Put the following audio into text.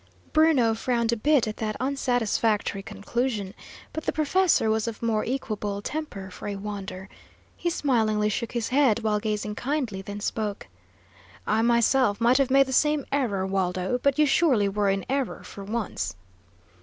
Bruno frowned a bit at that unsatisfactory conclusion, but the professor was of more equable temper, for a wonder. He smilingly shook his head, while gazing kindly, then spoke: "I myself might have made the same error, Waldo, but you surely were in error, for once."